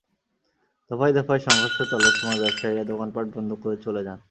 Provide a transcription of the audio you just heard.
দফায় দফায় সংঘর্ষ চলার সময় ব্যবসায়ীরা দোকানপাট বন্ধ করে চলে যান।